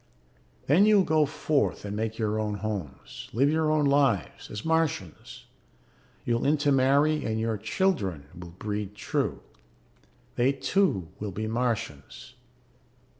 "Then you will go forth and make your own homes, live your own lives, as Martians. You will intermarry and your children will breed true. They too will be Martians.